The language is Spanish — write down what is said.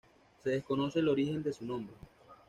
Se desconoce el origen de su nombre.